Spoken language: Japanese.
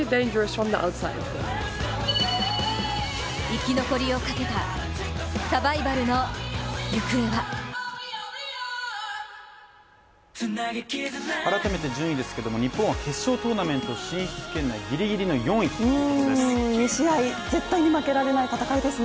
生き残りをかけた、サバイバルの行方は改めて順位ですけれども日本は決勝トーナメント進出圏内、ギリギリの４位ということです。